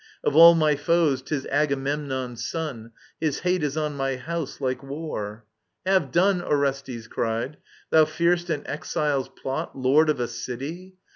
* Of all my foes, 'tis Agamemnon's son ; His hate is on my house^ like war." Have done 1 Orestes cried : ^^thou fear'st an exile's plot,. Lord of a city